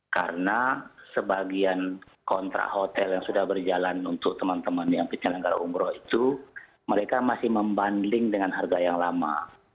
karena sebagian kontrak hotel yang sudah berjalan untuk teman teman yang penyelenggara umroh itu mereka masih membanding dengan harga yang lama